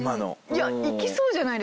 いやいきそうじゃないですか？